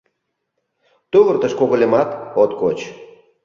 Тувыртыш когыльымат от коч.